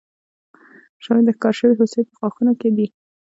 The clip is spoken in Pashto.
شواهد د ښکار شوې هوسۍ په غاښونو کې دي.